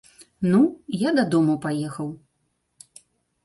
Ну, я дадому паехаў.